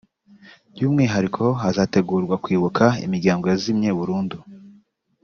By’umwihariko hazategurwa kwibuka imiryango yazimye burundu